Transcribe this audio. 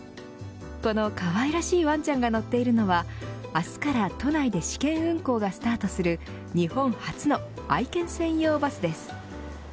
この可愛らしいワンちゃんが乗っているのは明日から都内で試験運行がスタートする日本初の愛犬専用バスです。